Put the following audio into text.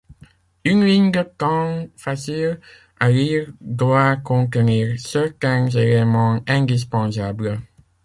Une ligne du temps facile à lire doit contenir certains éléments indispensables.